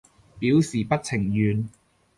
表示不情願